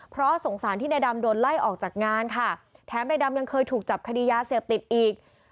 เพราะสงสารที่ในดำโดนไล่ออกจากงานค่ะแถมในดำยังเคยถูกจับคดียาเสพติดอีก